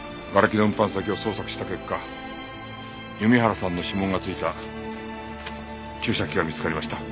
瓦礫の運搬先を捜索した結果弓原さんの指紋がついた注射器が見つかりました。